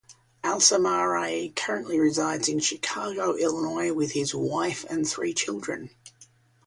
Alsammarae currently resides in Chicago, Illinois, with his wife and three children.